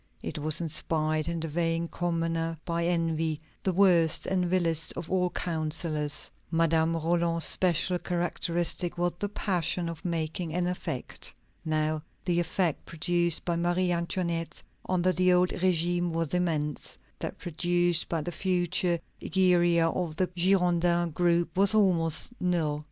It was inspired in the vain commoner by envy, the worst and vilest of all counsellors. Madame Roland's special characteristic was the passion for making an effect. Now the effect produced by Marie Antoinette under the old régime was immense; that produced by the future Egeria of the Girondin group was almost null.